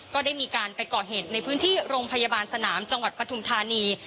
ก็ได้มีการไปก่อเหตุในพื้นที่โรงพยาบาลสนามจังหวัดปฐุมธานี